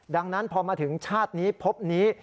ดังนั้นพอมาถึงชาตินี้พบนี้